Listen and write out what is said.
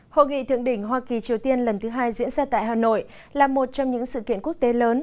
hội nghị thượng đỉnh hoa kỳ triều tiên lần thứ hai diễn ra tại hà nội là một trong những sự kiện quốc tế lớn